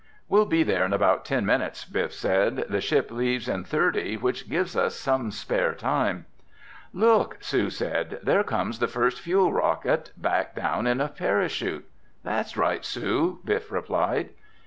"We'll be there in about ten minutes," Biff said. "The ship leaves in thirty, which gives us some spare time." "Look," Sue said, "there comes the first fuel rocket back down in a parachute." "That's right, Sue," Biff replied.